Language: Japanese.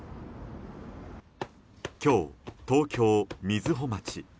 今日、東京・瑞穂町。